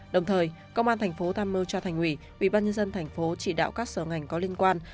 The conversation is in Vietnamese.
đồng thời công an tp tam mưu cho thành ủy ubnd tp chỉ đạo các sở ngành có liên quan